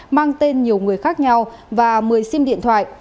mang tên nhiều người khác nhau và một mươi sim điện thoại